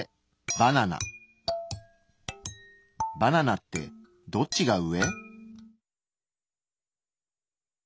バナナってどっちが上？